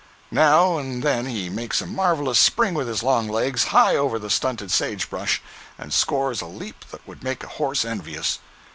Now and then he makes a marvelous spring with his long legs, high over the stunted sage brush, and scores a leap that would make a horse envious.